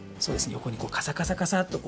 よこにカサカサカサっと。